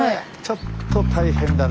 ちょっと大変だね。